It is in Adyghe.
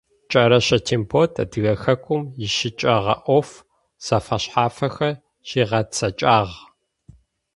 Кӏэрэщэ Тембот Адыгэ Хэкум ищыкӏэгъэ ӏоф зэфэшъхьафхэр щигъэцэкӏагъ.